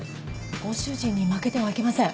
ご主人に負けてはいけません。